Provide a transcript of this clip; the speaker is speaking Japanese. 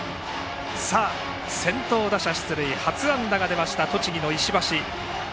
先頭打者出塁初安打が出ました栃木の石橋。